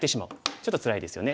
ちょっとつらいですよね。